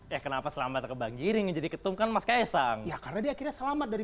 ya kenapa selamat kebanggiri menjadi ketumkan mas kesang ya karena dia akhirnya selamat dari